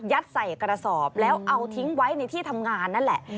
ใส่กระสอบแล้วเอาทิ้งไว้ในที่ทำงานนั่นแหละ